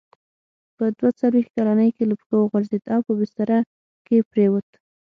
په دوه څلوېښت کلنۍ کې له پښو وغورځېد او په بستره کې پرېووت.